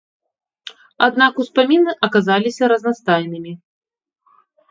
Аднак успаміны аказаліся разнастайнымі.